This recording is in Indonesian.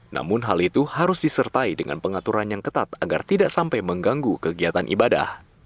namun hal itu harus disertai dengan pengaturan yang ketat agar tidak sampai mengganggu kegiatan ibadah